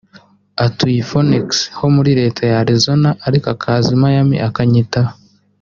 Atuye i Phoenix (ho muri Leta ya Arizona) ariko akaza [i Miami] akanyitaho